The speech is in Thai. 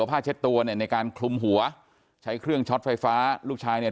ผ้าเช็ดตัวเนี่ยในการคลุมหัวใช้เครื่องช็อตไฟฟ้าลูกชายเนี่ย